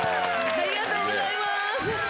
ありがとうございます。